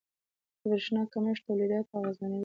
• د برېښنا کمښت تولیدات اغېزمنوي.